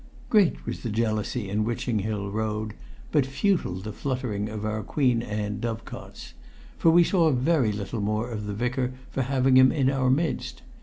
Great was the jealousy in Witching Hill Road, but futile the fluttering of our Queen Anne dovecots; for we saw very little more of the Vicar for having him in our midst.